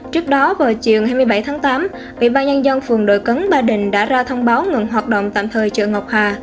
trước đó vào chiều hai mươi bảy tháng tám ủy ban nhân dân phường đội cứng ba đình đã ra thông báo ngừng hoạt động tạm thời chợ ngọc hà